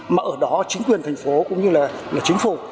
mà ở đó chính quyền thành phố cũng như là chính phủ